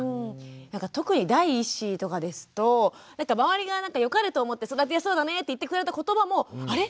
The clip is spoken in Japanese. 特に第一子とかですと周りが良かれと思って育てやすそうだねって言ってくれたことばもあれ？